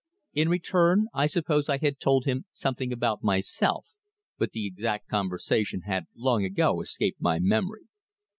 In return, I suppose I had told him something about myself, but the exact conversation had long ago escaped my memory.